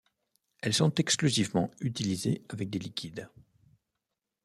Elles sont exclusivement utilisées avec des liquides.